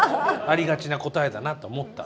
ありがちな答えだなと思った。